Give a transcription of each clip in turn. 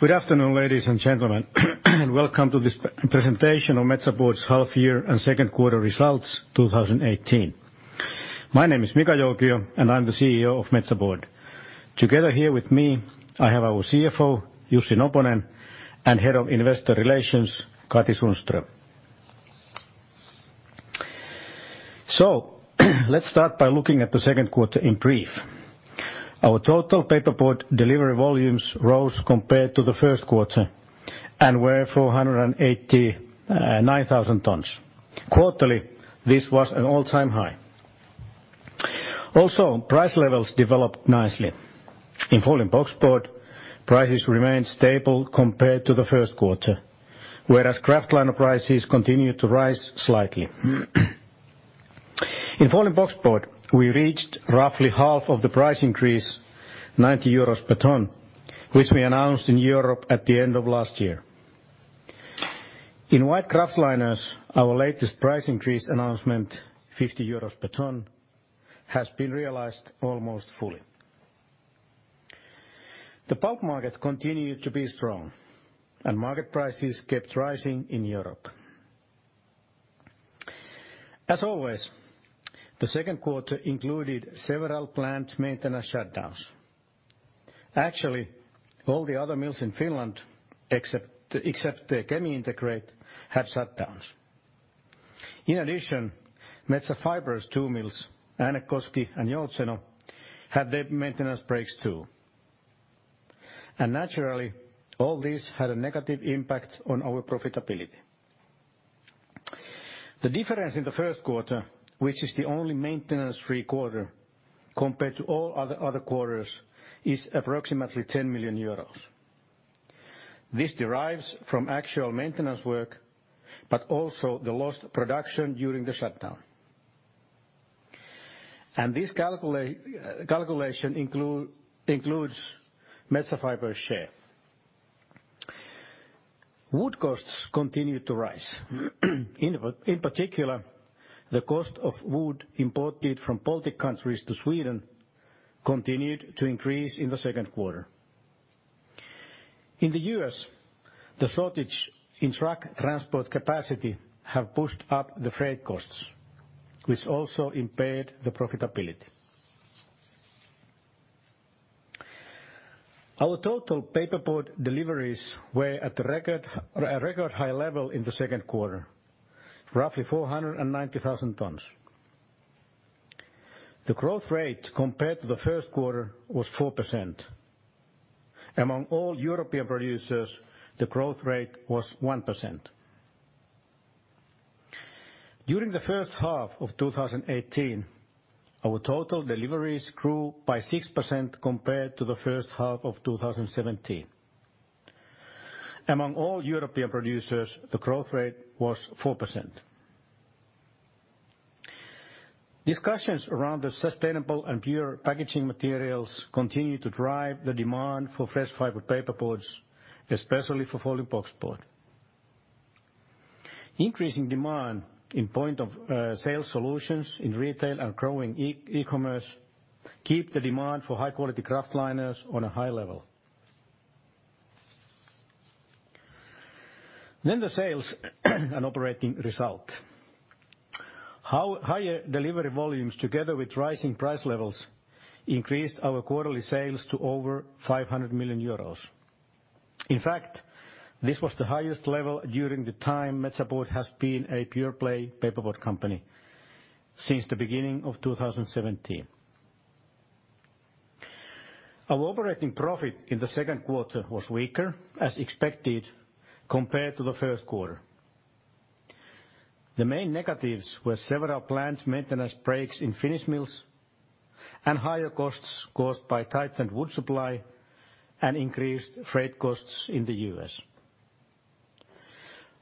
Good afternoon, ladies and gentlemen, and welcome to this presentation of Metsä Board's half-year and second quarter results 2018. My name is Mika Joukio, and I'm the CEO of Metsä Board. Together here with me, I have our CFO, Jussi Noponen, and Head of Investor Relations, Katri Sundström. So, let's start by looking at the second quarter in brief. Our total paperboard delivery volumes rose compared to the first quarter and were 489,000 tons. Quarterly, this was an all-time high. Also, price levels developed nicely. In folding boxboard, prices remained stable compared to the first quarter, whereas kraftliner prices continued to rise slightly. In folding boxboard, we reached roughly half of the price increase, 90 euros per ton, which we announced in Europe at the end of last year. In white kraftliners, our latest price increase announcement, 50 euros per ton, has been realized almost fully. The bulk market continued to be strong, and market prices kept rising in Europe. As always, the second quarter included several planned maintenance shutdowns. Actually, all the other mills in Finland, except the Kemi Integrate, had shutdowns. In addition, Metsä Fibre's two mills, Äänekoski and Joutseno, had their maintenance breaks too. And naturally, all this had a negative impact on our profitability. The difference in the first quarter, which is the only maintenance-free quarter compared to all other quarters, is approximately 10 million euros. This derives from actual maintenance work, but also the lost production during the shutdown. And this calculation includes Metsä Fibre's share. Wood costs continued to rise. In particular, the cost of wood imported from Baltic countries to Sweden continued to increase in the second quarter. In the U.S., the shortage in truck transport capacity has pushed up the freight costs, which also impaired the profitability. Our total paperboard deliveries were at a record high level in the second quarter, roughly 490,000 tons. The growth rate compared to the first quarter was 4%. Among all European producers, the growth rate was 1%. During the first half of 2018, our total deliveries grew by 6% compared to the first half of 2017. Among all European producers, the growth rate was 4%. Discussions around the sustainable and pure packaging materials continue to drive the demand for fresh fiber paperboards, especially for folding boxboard. Increasing demand in point-of-sale solutions in retail and growing e-commerce keeps the demand for high-quality kraft liners on a high level. Then the sales and operating result. Higher delivery volumes, together with rising price levels, increased our quarterly sales to over 500 million euros. In fact, this was the highest level during the time Metsä Board has been a pure-play paperboard company since the beginning of 2017. Our operating profit in the second quarter was weaker, as expected, compared to the first quarter. The main negatives were several planned maintenance breaks in Finnish mills and higher costs caused by tightened wood supply and increased freight costs in the U.S.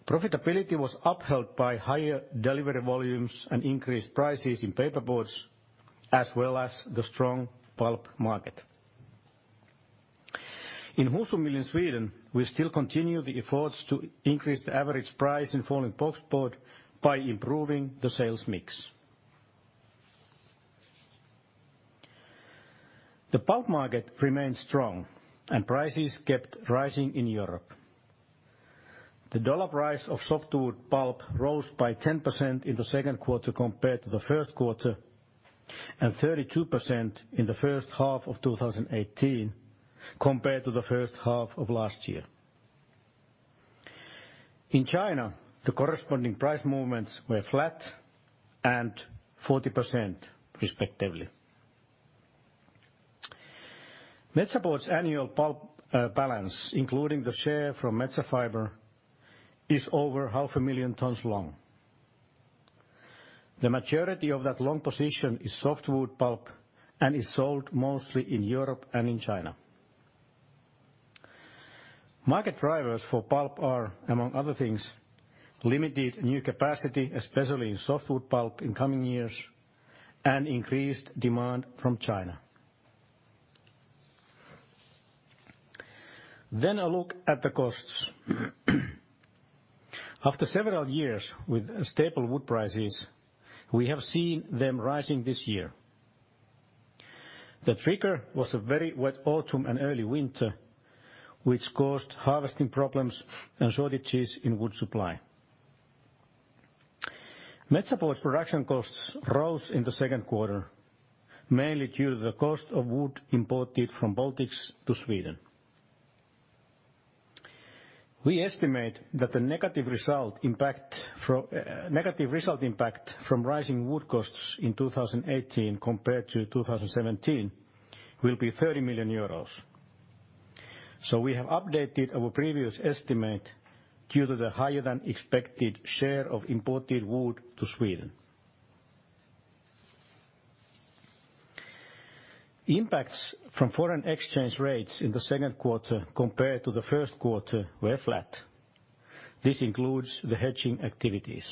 Profitability was upheld by higher delivery volumes and increased prices in paperboards, as well as the strong bulk market. In Husum mill in Sweden, we still continue the efforts to increase the average price in folding boxboard by improving the sales mix. The bulk market remained strong, and prices kept rising in Europe. The dollar price of softwood pulp rose by 10% in the second quarter compared to the first quarter and 32% in the first half of 2018 compared to the first half of last year. In China, the corresponding price movements were flat and 40%, respectively. Metsä Board's annual pulp balance, including the share from Metsä Fibre, is over 500,000 tons long. The majority of that long position is softwood pulp and is sold mostly in Europe and in China. Market drivers for pulp are, among other things, limited new capacity, especially in softwood pulp in coming years, and increased demand from China. Then a look at the costs. After several years with stable wood prices, we have seen them rising this year. The trigger was a very wet autumn and early winter, which caused harvesting problems and shortages in wood supply. Metsä Board's production costs rose in the second quarter, mainly due to the cost of wood imported from Baltics to Sweden. We estimate that the negative result impact from rising wood costs in 2018 compared to 2017 will be 30 million euros. So we have updated our previous estimate due to the higher-than-expected share of imported wood to Sweden. Impacts from foreign exchange rates in the second quarter compared to the first quarter were flat. This includes the hedging activities.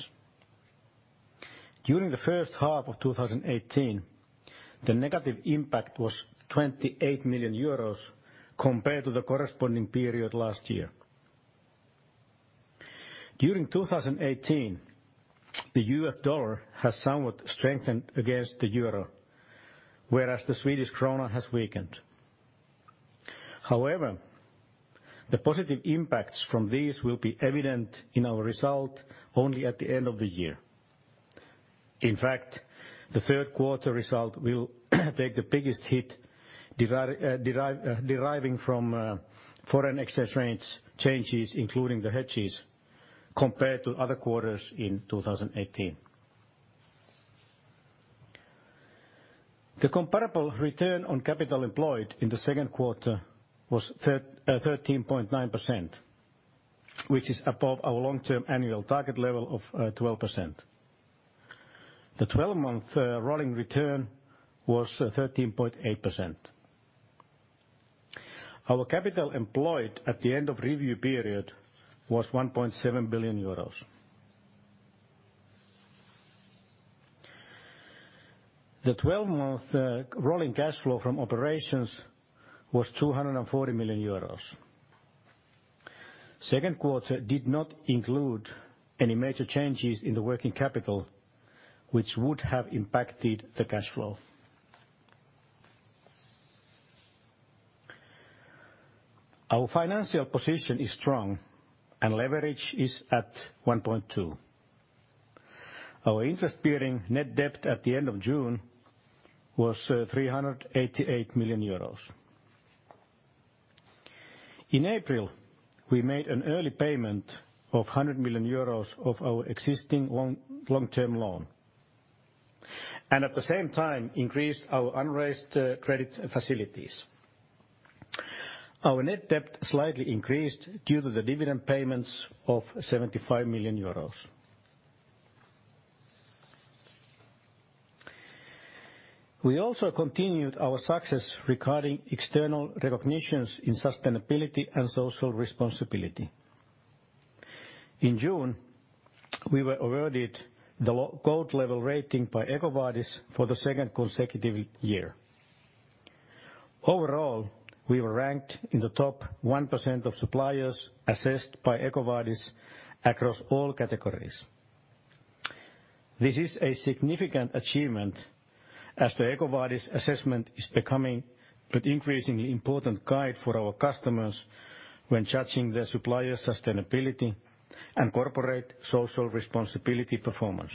During the first half of 2018, the negative impact was 28 million euros compared to the corresponding period last year. During 2018, the US dollar has somewhat strengthened against the euro, whereas the Swedish krona has weakened. However, the positive impacts from these will be evident in our result only at the end of the year. In fact, the third quarter result will take the biggest hit, deriving from foreign exchange rate changes, including the hedges, compared to other quarters in 2018. The comparable return on capital employed in the second quarter was 13.9%, which is above our long-term annual target level of 12%. The 12-month rolling return was 13.8%. Our capital employed at the end of review period was 1.7 billion euros. The 12-month rolling cash flow from operations was 240 million euros. Second quarter did not include any major changes in the working capital, which would have impacted the cash flow. Our financial position is strong, and leverage is at 1.2. Our interest-bearing net debt at the end of June was 388 million euros. In April, we made an early payment of 100 million euros of our existing long-term loan and at the same time increased our unraised credit facilities. Our net debt slightly increased due to the dividend payments of 75 million euros. We also continued our success regarding external recognitions in sustainability and social responsibility. In June, we were awarded the gold-level rating by EcoVadis for the second consecutive year. Overall, we were ranked in the top 1% of suppliers assessed by EcoVadis across all categories. This is a significant achievement as the EcoVadis assessment is becoming an increasingly important guide for our customers when judging their supplier sustainability and corporate social responsibility performance.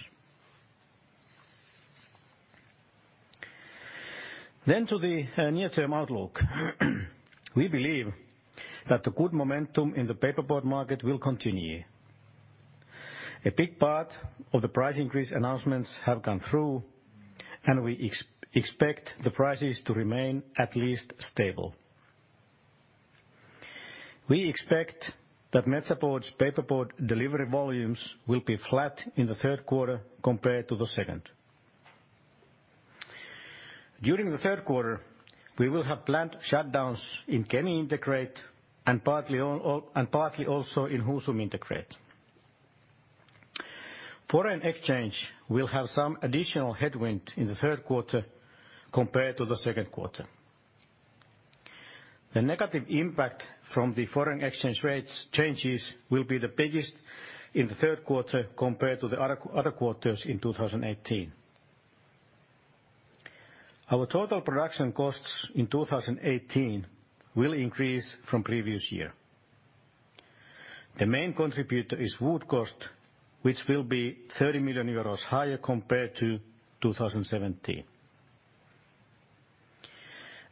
Then to the near-term outlook. We believe that the good momentum in the paperboard market will continue. A big part of the price increase announcements have gone through, and we expect the prices to remain at least stable. We expect that Metsä Board's paperboard delivery volumes will be flat in the third quarter compared to the second. During the third quarter, we will have planned shutdowns in Kemi Integrate and partly also in Husum Integrate. Foreign exchange will have some additional headwind in the third quarter compared to the second quarter. The negative impact from the foreign exchange rate changes will be the biggest in the third quarter compared to the other quarters in 2018. Our total production costs in 2018 will increase from the previous year. The main contributor is wood cost, which will be 30 million euros higher compared to 2017.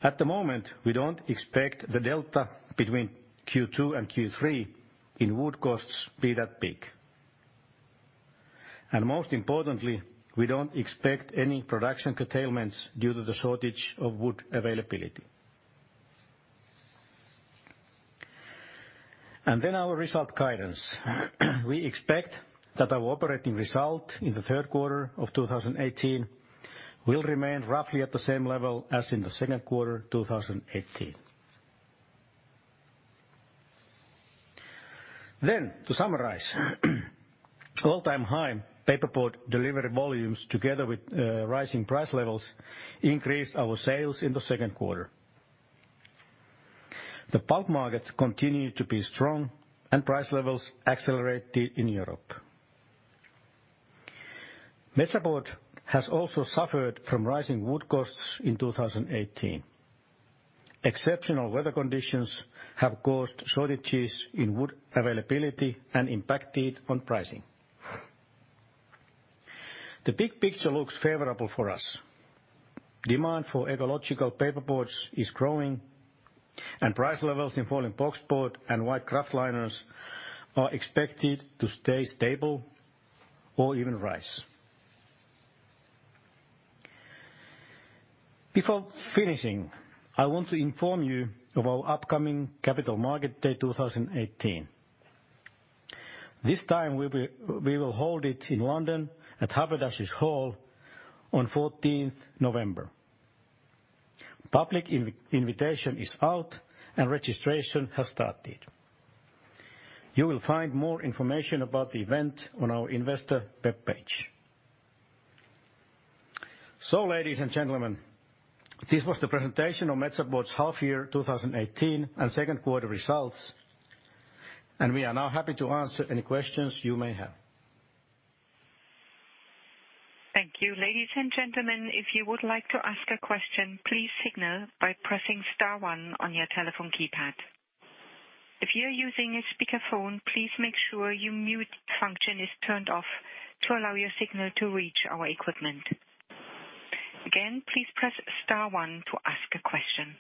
At the moment, we don't expect the delta between Q2 and Q3 in wood costs to be that big. And most importantly, we don't expect any production curtailments due to the shortage of wood availability. And then our result guidance. We expect that our operating result in the third quarter of 2018 will remain roughly at the same level as in the second quarter of 2018. Then, to summarize, all-time high paperboard delivery volumes together with rising price levels increased our sales in the second quarter. The bulk market continued to be strong, and price levels accelerated in Europe. Metsä Board has also suffered from rising wood costs in 2018. Exceptional weather conditions have caused shortages in wood availability and impacted on pricing. The big picture looks favorable for us. Demand for ecological paperboards is growing, and price levels in folding boxboard and white kraft liners are expected to stay stable or even rise. Before finishing, I want to inform you of our upcoming Capital Market Day 2018. This time, we will hold it in London at Haberdashers' Hall on 14 November. Public invitation is out, and registration has started. You will find more information about the event on our Investor webpage. Ladies and gentlemen, this was the presentation of Metsä Board's half-year 2018 and second quarter results, and we are now happy to answer any questions you may have. Thank you. Ladies and gentlemen, if you would like to ask a question, please signal by pressing star one on your telephone keypad. If you're using a speakerphone, please make sure your mute function is turned off to allow your signal to reach our equipment. Again, please press star one to ask a question.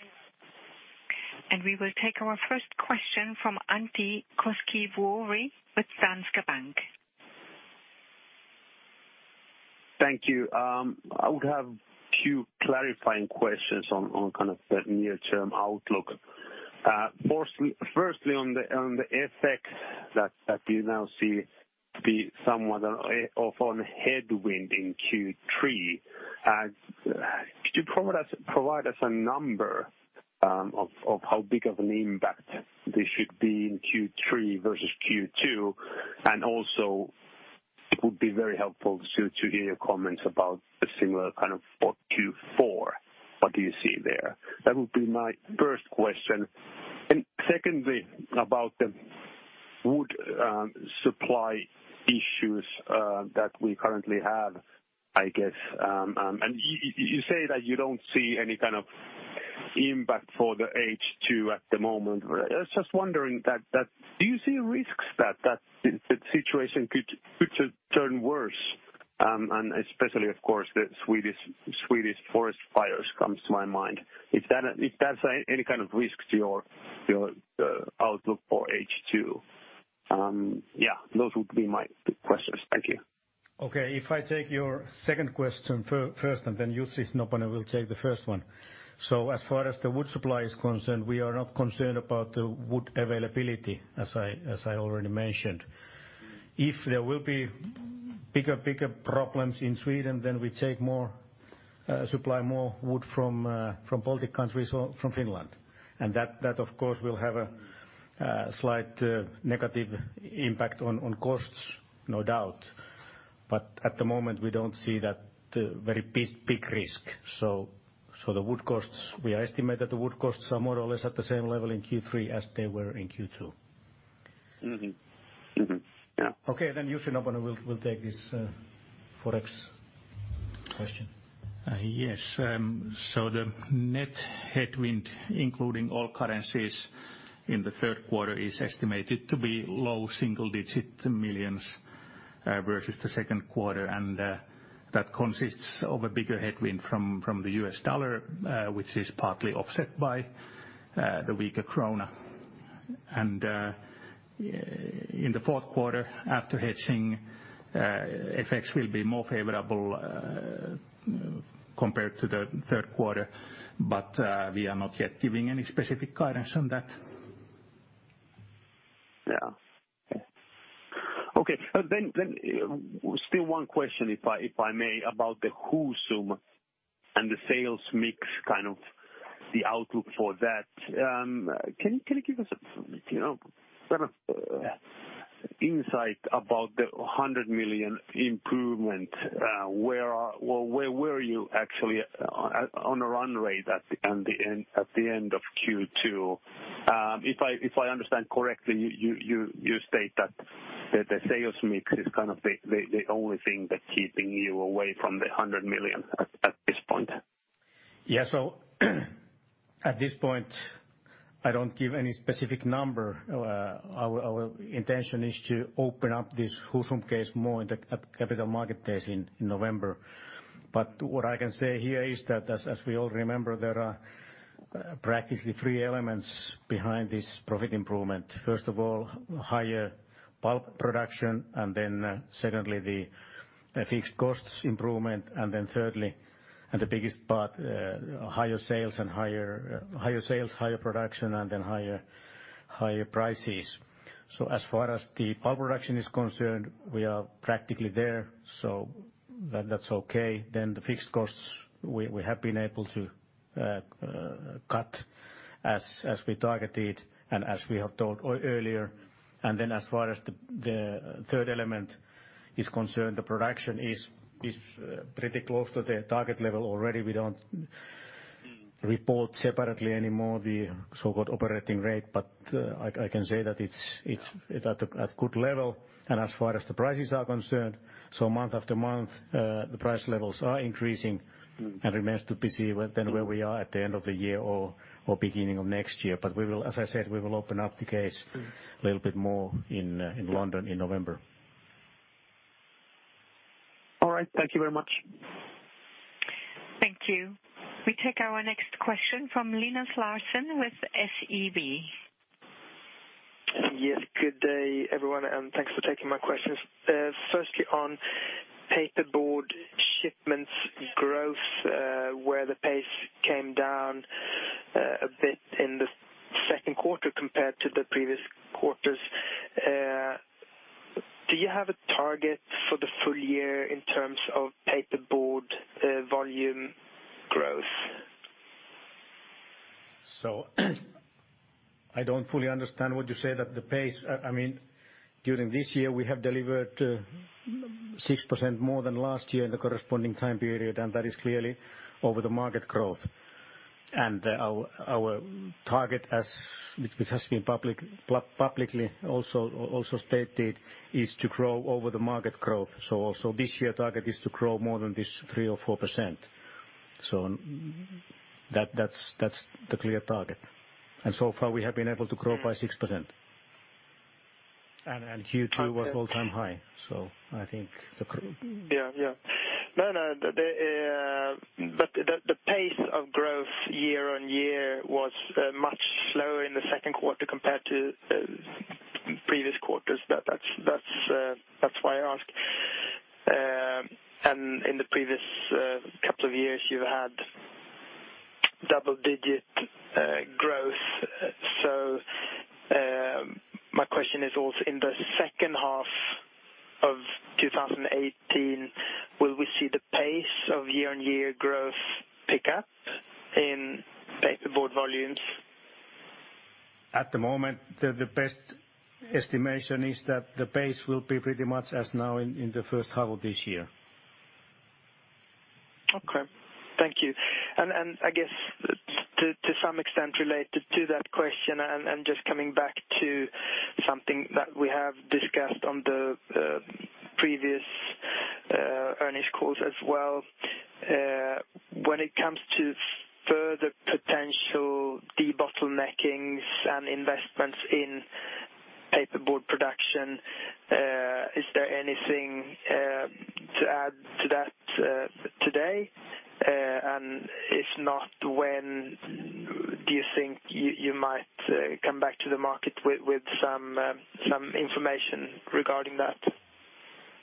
We will take our first question from Antti Koskivuori with Danske Bank. Thank you. I would have a few clarifying questions on kind of the near-term outlook. Firstly, on the effect that you now see to be somewhat of a headwind in Q3, could you provide us a number of how big of an impact this should be in Q3 versus Q2, and also, it would be very helpful to hear your comments about the similar kind of Q4. What do you see there? That would be my first question, and secondly, about the wood supply issues that we currently have, I guess, and you say that you don't see any kind of impact for the H2 at the moment. I was just wondering that do you see risks that the situation could turn worse, and especially, of course, the Swedish forest fires come to my mind. If that's any kind of risk to your outlook for H2, yeah, those would be my questions. Thank you. Okay. If I take your second question first, and then you see if nobody will take the first one. So as far as the wood supply is concerned, we are not concerned about the wood availability, as I already mentioned. If there will be bigger problems in Sweden, then we take more supply, more wood from Baltic countries or from Finland. And that, of course, will have a slight negative impact on costs, no doubt. But at the moment, we don't see that very big risk. So the wood costs, we estimate that the wood costs are more or less at the same level in Q3 as they were in Q2. Yeah. Okay. Then you see nobody will take this Forex question. Yes. So the net headwind, including all currencies in the third quarter, is estimated to be low single-digit millions versus the second quarter. That consists of a bigger headwind from the U.S. dollar, which is partly offset by the weaker krona. In the fourth quarter, after hedging, effects will be more favorable compared to the third quarter, but we are not yet giving any specific guidance on that. Yeah. Okay. Still one question, if I may, about the Husum and the sales mix kind of the outlook for that. Can you give us kind of insight about the €100 million improvement? Where were you actually on the run rate at the end of Q2? If I understand correctly, you state that the sales mix is kind of the only thing that's keeping you away from the €100 million at this point. Yeah. So at this point, I don't give any specific number. Our intention is to open up this Husum case more in the capital market days in November. But what I can say here is that, as we all remember, there are practically three elements behind this profit improvement. First of all, higher bulk production, and then secondly, the fixed costs improvement, and then thirdly, and the biggest part, higher sales, higher production, and then higher prices. So as far as the bulk production is concerned, we are practically there, so that's okay. Then the fixed costs, we have been able to cut as we targeted and as we have told earlier. And then as far as the third element is concerned, the production is pretty close to the target level already. We don't report separately anymore the so-called operating rate, but I can say that it's at a good level. And as far as the prices are concerned, so month after month, the price levels are increasing and remains to be seen then where we are at the end of the year or beginning of next year. But as I said, we will open up the case a little bit more in London in November. All right. Thank you very much. Thank you. We take our next question from Linus Larsson with SEB. Yes. Good day, everyone, and thanks for taking my questions. Firstly, on paperboard shipments growth, where the pace came down a bit in the second quarter compared to the previous quarters, do you have a target for the full year in terms of paperboard volume growth? So I don't fully understand what you say that the pace. I mean, during this year, we have delivered 6% more than last year in the corresponding time period, and that is clearly over the market growth. And our target, which has been publicly also stated, is to grow over the market growth. So also this year, target is to grow more than this 3% or 4%. So that's the clear target. And so far, we have been able to grow by 6%. And Q2 was all-time high, so I think. Yeah, yeah. No, no. But the pace of growth year on year was much slower in the second quarter compared to previous quarters. That's why I ask. And in the previous couple of years, you've had double-digit growth. So my question is also, in the second half of 2018, will we see the pace of year-on-year growth pick up in paperboard volumes? At the moment, the best estimation is that the pace will be pretty much as now in the first half of this year. Okay. Thank you. And I guess to some extent related to that question and just coming back to something that we have discussed on the previous earnings calls as well, when it comes to further potential de-bottleneckings and investments in paperboard production, is there anything to add to that today? And if not, when do you think you might come back to the market with some information regarding that?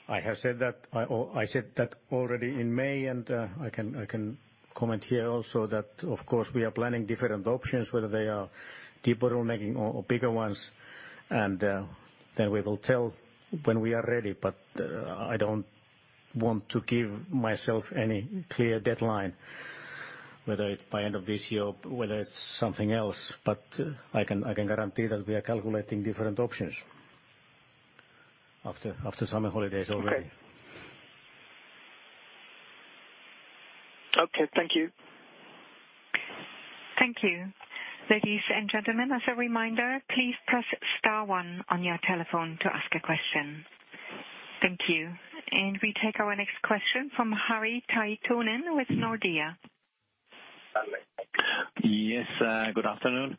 I have said that I said that already in May, and I can comment here also that, of course, we are planning different options, whether they are de-bottlenecking or bigger ones. And then we will tell when we are ready, but I don't want to give myself any clear deadline, whether it's by end of this year or whether it's something else. But I can guarantee that we are calculating different options after summer holidays already. Okay. Okay. Thank you. Thank you. Ladies and gentlemen, as a reminder, please press star one on your telephone to ask a question. Thank you. And we take our next question from Harri Taittonen with Nordea. Yes. Good afternoon.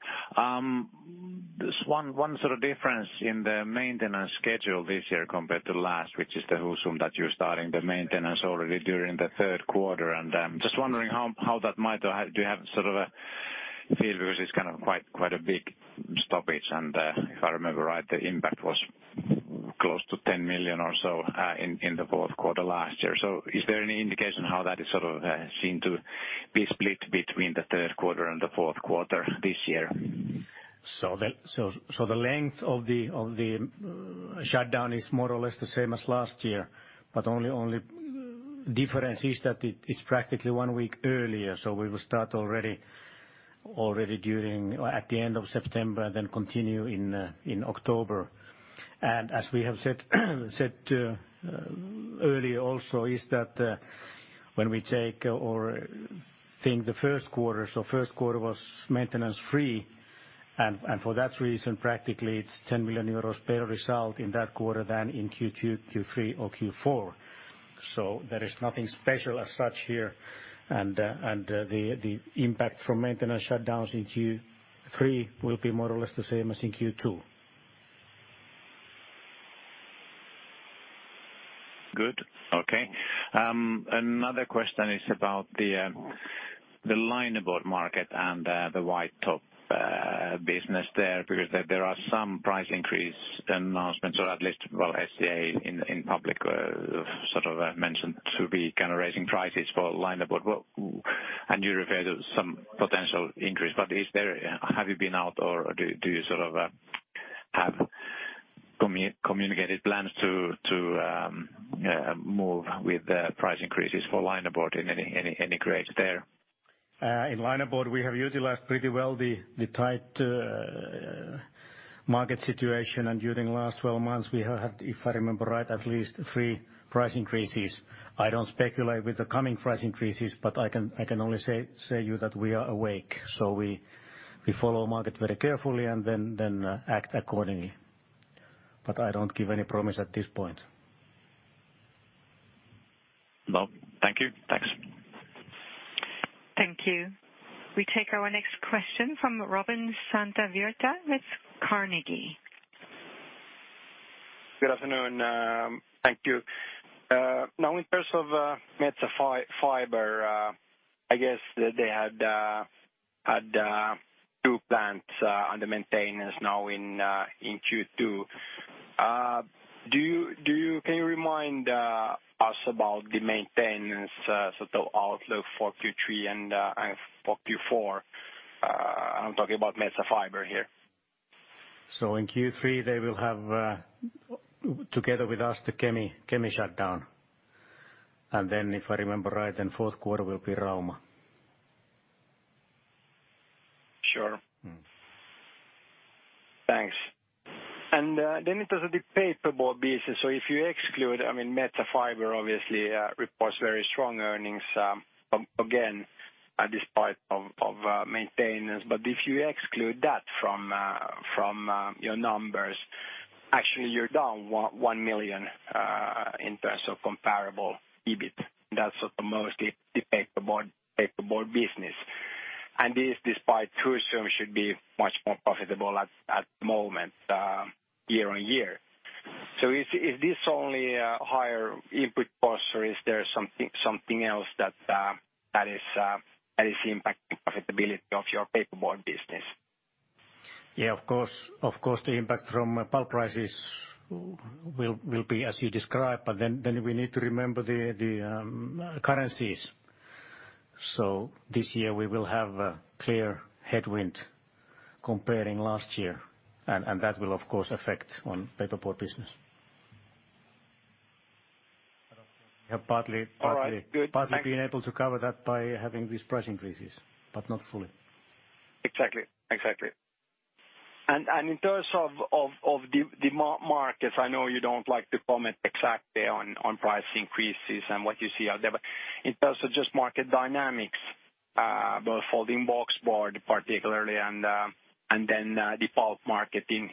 Just one sort of difference in the maintenance schedule this year compared to last, which is the Husum that you're starting the maintenance already during the third quarter. And just wondering how that might. Do you have sort of a feel because it's kind of quite a big stoppage, and if I remember right, the impact was close to 10 million or so in the fourth quarter last year. So is there any indication how that is sort of seen to be split between the third quarter and the fourth quarter this year? So the length of the shutdown is more or less the same as last year, but only difference is that it's practically one week earlier. So we will start already during or at the end of September and then continue in October. And as we have said earlier also, is that when we take or think the first quarter, so first quarter was maintenance-free, and for that reason, practically, it's 10 million euros better result in that quarter than in Q2, Q3, or Q4. So there is nothing special as such here. And the impact from maintenance shutdowns in Q3 will be more or less the same as in Q2. Good. Okay. Another question is about the linerboard market and the white top business there because there are some price increase announcements, or at least, well, SCA in public sort of mentioned to be kind of raising prices for linerboard. And you refer to some potential increase. But have you been out, or do you sort of have communicated plans to move with price increases for linerboard in any grades there? In linerboard, we have utilized pretty well the tight market situation, and during the last 12 months, we have had, if I remember right, at least three price increases. I don't speculate with the coming price increases, but I can only say to you that we are awake. So we follow market very carefully and then act accordingly. But I don't give any promise at this point. Well, thank you. Thanks. Thank you. We take our next question from Robin Santavirta with Carnegie. Good afternoon. Thank you. Now, in terms of Metsä Fibre, I guess they had two plants under maintenance now in Q2. Can you remind us about the maintenance sort of outlook for Q3 and for Q4? I'm talking about Metsä Fibre here. So in Q3, they will have together with us the Kemi shutdown. And then, if I remember right, then fourth quarter will be Rauma. Sure. Thanks. And then in terms of the paperboard business, so if you exclude, I mean, Metsä Fibre obviously reports very strong earnings again despite of maintenance. But if you exclude that from your numbers, actually, you're down 1 million in terms of comparable EBIT. That's sort of mostly the paperboard business. And this, despite Husum, should be much more profitable at the moment year on year. So is this only a higher input cost, or is there something else that is impacting profitability of your paperboard business? Yeah, of course. Of course, the impact from bulk prices will be, as you described, but then we need to remember the currencies. So this year, we will have a clear headwind comparing last year, and that will, of course, affect on paperboard business. We have partly been able to cover that by having these price increases, but not fully. Exactly. Exactly. In terms of the markets, I know you don't like to comment exactly on price increases and what you see out there, but in terms of just market dynamics, both folding boxboard particularly, and then the bulk market in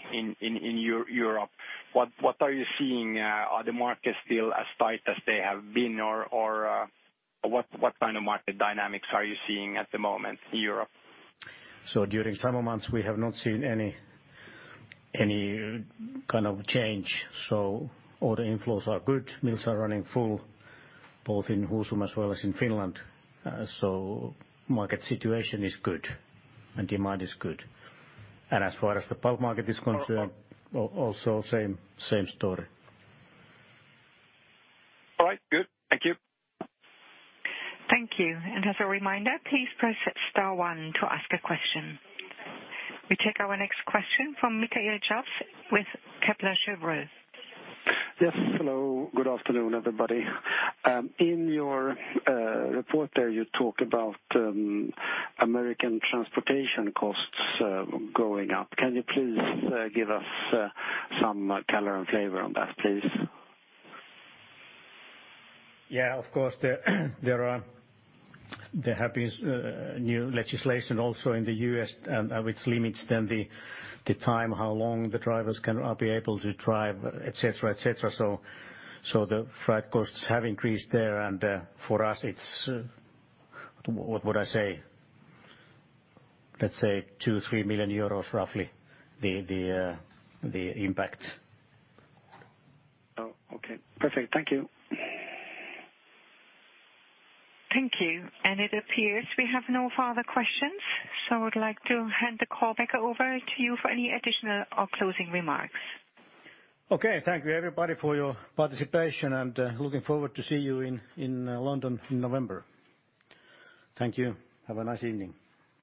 Europe, what are you seeing? Are the markets still as tight as they have been, or what kind of market dynamics are you seeing at the moment in Europe? During summer months, we have not seen any kind of change. All the inflows are good. Mills are running full, both in Husum as well as in Finland. Market situation is good, and demand is good. As far as the bulk market is concerned, also same story. All right. Good. Thank you. Thank you. As a reminder, please press star one to ask a question. We take our next question from Mikael Jåfs with Kepler Cheuvreux. Yes. Hello. Good afternoon, everybody. In your report there, you talk about American transportation costs going up. Can you please give us some color and flavor on that, please? Yeah. Of course. There has been new legislation also in the U.S., which limits then the time, how long the drivers can be able to drive, etc., etc. So the freight costs have increased there. And for us, it's what would I say? Let's say 2-3 million euros, roughly, the impact. Okay. Perfect. Thank you. Thank you. And it appears we have no further questions, so I would like to hand the call back over to you for any additional or closing remarks. Okay. Thank you, everybody, for your participation, and looking forward to see you in London in November. Thank you. Have a nice evening.